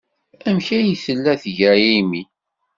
Amek ay tella tga Amy?